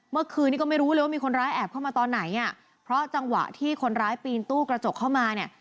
เมื่อคืนนี้ก็ไม่รู้เลยว่ามีคนร้ายแอบเข้ามาตอนไหนอ่ะเพราะจังหวะที่คนร้ายปีนตู้กระจกเข้ามาเนี่ย